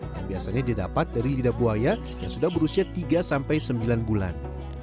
yang biasanya didapat dari lidah buaya yang sudah berusia tiga sampai sembilan bulan